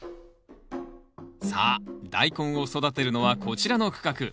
さあダイコンを育てるのはこちらの区画。